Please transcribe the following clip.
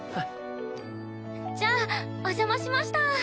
じゃあお邪魔しました！